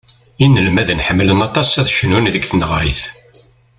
Inelmaden ḥemmlen aṭas ad cnun deg tneɣrit.